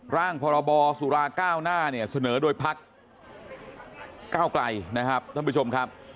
ร่างพรบสุราเก้าหน้าเนี่ยเสนอโดยพักก้าวไกลนะครับท่านผู้ชมครับ